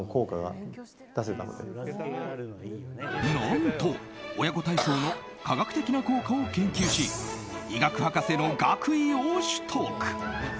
何と、親子体操の科学的な効果を研究し医学博士の学位を取得。